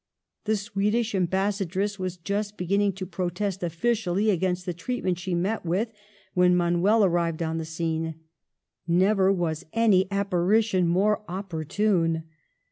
The Swedish Ambassadress was just beginning to protest officially against the treatment she had met with, when Manuel arrived on the scene. Never was any apparition more opportune.